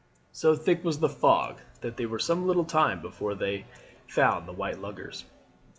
So thick was the fog that they were some little time before they found the white luggers.